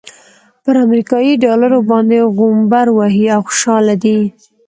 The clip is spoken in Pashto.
پر امريکايي ډالرو باندې غومبر وهي او خوشحاله دی.